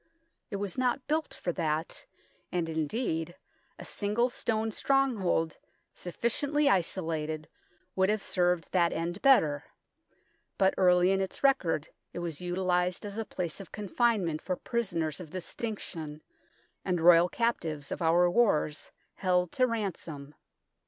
It was not built for that, and, indeed, a single stone stronghold, sufficiently isolated, would have served that end better ; but early in its record it was utilized as a place of confinement for prisoners of distinc tion, and Royal captives of our wars held to ransom.